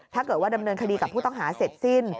ถ้าเกิดว่าดำเนินคดีกับผู้ต้องหาเสร็จสิ้น